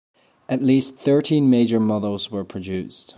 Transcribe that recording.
At least thirteen major models were produced.